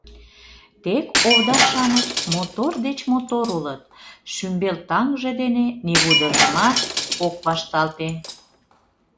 Тек овда-шамыч мотор деч мотор улыт — шӱмбел таҥже дене нигудыжымат ок вашталте.